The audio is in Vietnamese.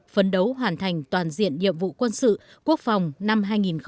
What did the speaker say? phấn đấu hoàn thành toàn diện nhiệm vụ quân sự quốc phòng năm hai nghìn hai mươi